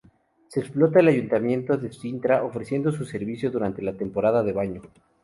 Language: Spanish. Lo explota el ayuntamiento de Sintra, ofreciendo su servicio durante la temporada de baño.